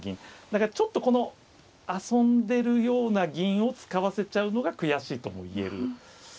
だからちょっとこの遊んでるような銀を使わせちゃうのが悔しいとも言える。